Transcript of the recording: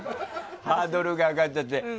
ハードルが上がっちゃって。